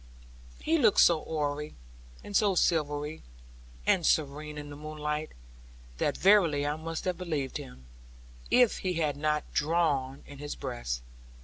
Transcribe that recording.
He looked so hoary, and so silvery, and serene in the moonlight, that verily I must have believed him, if he had not drawn in his breast.